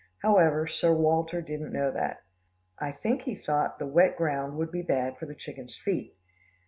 However, Sir Walter didn't know that. I think he thought the wet ground would be bad for the chickens' feet.